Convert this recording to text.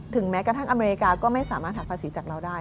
แม้กระทั่งอเมริกาก็ไม่สามารถหาภาษีจากเราได้